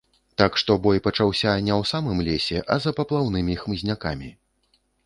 Так што бой пачаўся не ў самым лесе, а за паплаўнымі хмызнякамі.